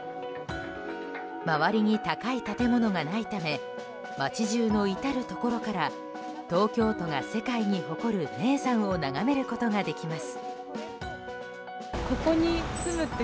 周りに高い建物がないため街中の至るところから東京都が世界に誇る名山を眺めることができます。